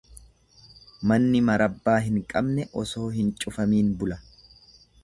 Manni marabbaa hin qabne osoo hin cufamiin bula.